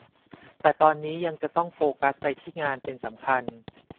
แต่ตอนนี้ยังจะต้องโฟกัสไปที่งานเป็นสำคัญ